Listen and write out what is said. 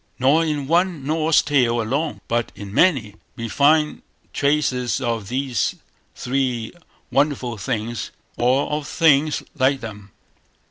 Nor in one Norse tale alone, but in many, we find traces of these three wonderful things, or of things like them.